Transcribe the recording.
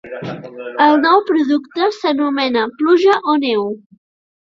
El nou producte s'anomena «Pluja o neu».